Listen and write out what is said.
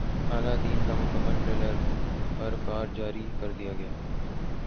الہ دین کا مکمل ٹریلر خرکار جاری کردیا گیا